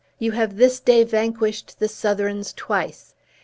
you have this day vanquished the Southrons twice!